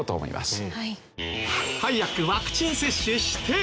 早くワクチン接種して！